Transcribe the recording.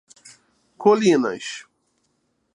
Colinas